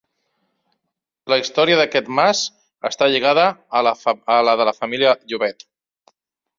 La història d'aquest mas està lligada a la de la família Llobet.